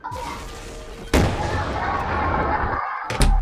埃斯帕利圣马塞勒人口变化图示